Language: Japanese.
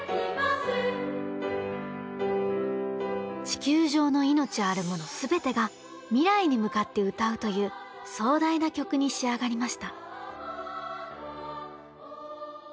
地球上の命あるもの全てが未来に向かって歌うという壮大な曲に仕上がりました。